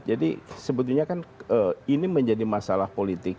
jadi sebetulnya kan ini menjadi masalah politik